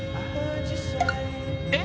えっ？